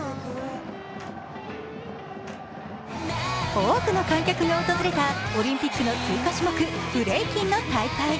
多くの観客が訪れたオリンピックの追加種目・ブレイキンの大会。